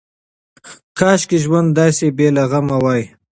کاشکې ژوند داسې بې له غمه وای.